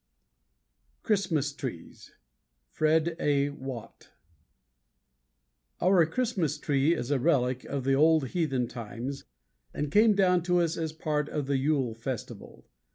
CHRISTMAS TREES. FRED. A. WATT. Our Christmas tree is a relic of the old heathen times and came down to us as a part of the Yule festival.